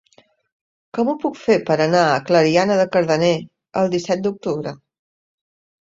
Com ho puc fer per anar a Clariana de Cardener el disset d'octubre?